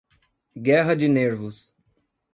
Guerra de Nervos